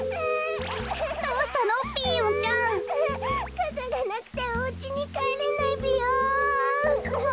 かさがなくておうちにかえれないぴよん。